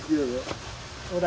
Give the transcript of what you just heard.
ほら。